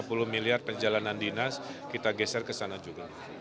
jadi kalau ada sepuluh miliar perjalanan dinas kita geser ke sana juga